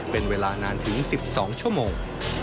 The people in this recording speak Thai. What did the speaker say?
เป็นเวลานานถึง๑๒ชั่วโมง